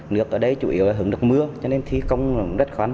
nước ở đây chủ yếu là hứng được mưa cho nên thi công rất khó khăn